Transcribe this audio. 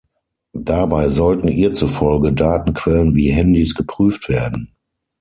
Dabei sollten ihr zufolge Datenquellen wie Handys geprüft werden.